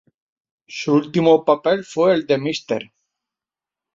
Su último papel fue el de Mr.